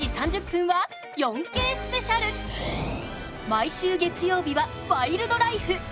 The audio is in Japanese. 毎週月曜日は「ワイルドライフ」。